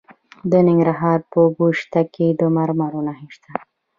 د ننګرهار په ګوشته کې د مرمرو نښې شته.